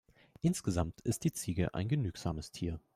Insgesamt ist die Ziege ein genügsames Tier.